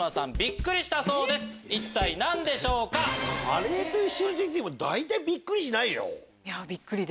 カレーと一緒に出ても大体びっくりしないでしょ。